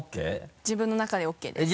自分の中でＯＫです。